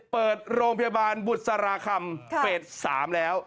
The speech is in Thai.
เปิดโรงพยาบาลบุษราคำเฟส๓แล้ว